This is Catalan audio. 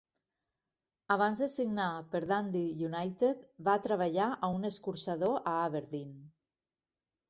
Abans de signar per Dundee United, va treballar a un escorxador a Aberdeen.